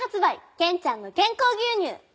ケンちゃんの健康牛乳。